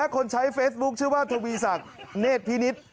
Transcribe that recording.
คนใช้เฟซบุ๊กชื่อว่าทวีสักเนทพินิท